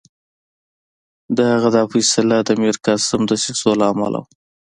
د هغه دا فیصله د میرقاسم دسیسو له امله وه.